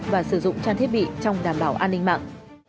và sử dụng trang thiết bị trong đảm bảo an ninh mạng